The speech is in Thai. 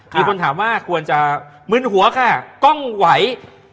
มีคนถามว่าควรจะมึนหัวค่ะกล้องไหว